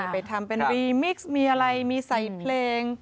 ไปทำเป็นรีมิกซ์มีอะไรมีใส่เพลง